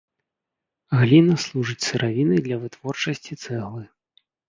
Гліна служыць сыравінай для вытворчасці цэглы.